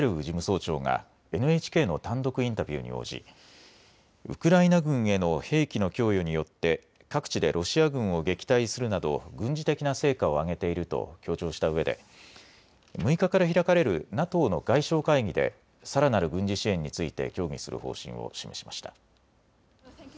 事務総長がＮＨＫの単独インタビューに応じウクライナ軍への兵器の供与によって各地でロシア軍を撃退するなど軍事的な成果を上げていると強調したうえで６日から開かれるＮＡＴＯの外相会議でさらなる軍事支援について協議する方針を示しました。